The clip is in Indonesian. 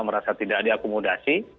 merasa tidak ada akomodasi